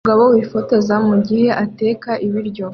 Umugore wifotoza mugihe ateka ibiryo